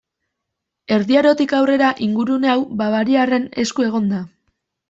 Erdi Arotik aurrera ingurune hau Bavariaren esku egon da.